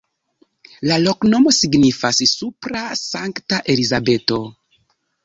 La loknomo signifas: supra-Sankta-Elizabeto.